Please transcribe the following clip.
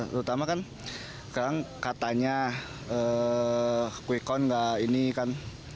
terutama kan sekarang katanya kwekon gak ini kan